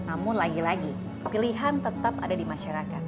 apalagi pilihan tetap ada di masyarakat